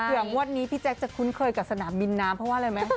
เตือนว่านี้พี่แจ๊กจะคุ้นเคยกับสนามวินน้ำเพราะว่าอะไรมั้ย